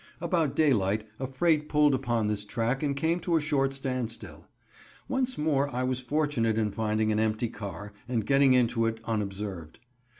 About daylight a freight pulled upon this track and came to a short standstill. Once more I was fortunate in finding an empty car, and getting into it unobserved.